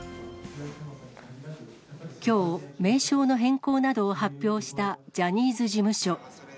きょう、名称の変更などを発表したジャニーズ事務所。